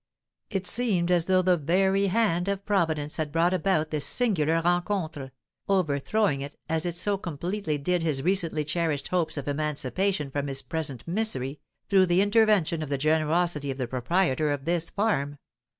It seemed as though the very hand of Providence had brought about this singular rencontre, overthrowing as it so completely did his recently cherished hopes of emancipation from his present misery, through the intervention of the generosity of the proprietor of this farm.